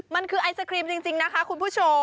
มันคือไอศครีมจริงนะคะคุณผู้ชม